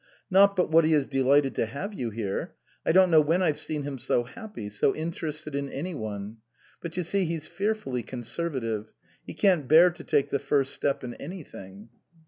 Not but what he is delighted to have you here. I don't know when I've seen him so happy, so interested in any one. But, you see, he's fearfully conservative ; he can't bear to take the first step in anything."